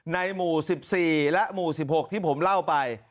ในหมู่๑๔และหมู่๑๖ที่ผมเล่าไป